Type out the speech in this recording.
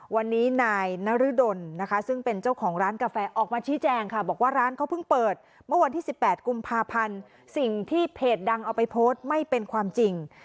วันนี้นายนรดลนะคะซึ่งเป็นเจ้าของร้านกาแฟออกมาชี้แจงค่ะบอกว่าร้านเขาเพิ่งเปิดเมื่อวันที่๑๘กุมภาพันธ์สิ่งที่เพจดังเอาไปโพสต์ไม่เป็นความจริง